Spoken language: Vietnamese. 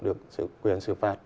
được quyền xử phạt